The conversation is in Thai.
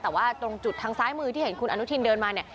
แต่ว่าตรงจุดทางซ้ายมือที่เห็นคุณอนุทินเดินมาเนี่ย